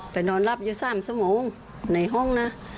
ไปนอนรับอยู่สามสองโมงในห้องนะ